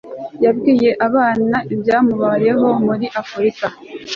yabwiye abana ibyamubayeho muri afurika